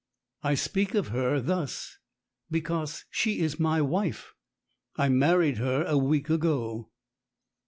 I speak of her thus because she is my wife. I married her a week ago."